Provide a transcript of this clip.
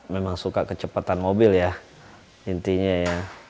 memang suka kecepatan mobil ya intinya ya